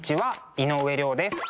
井上涼です。